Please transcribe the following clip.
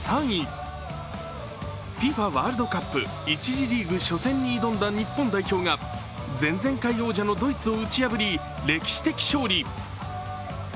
ＦＩＦＡワールドカップ１次リーグ初戦に挑んだ日本代表が前々回王者のドイツを打ち破り歴史的勝利。